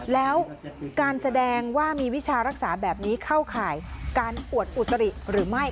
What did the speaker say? แล้วการแสดงว่ามีวิชารักษาแบบนี้เข้าข่ายการอวดอุตริหรือไม่